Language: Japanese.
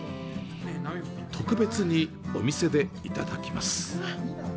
特別に、お店でいただきます。